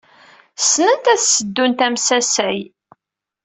Ssnent ad sseddunt amsasay.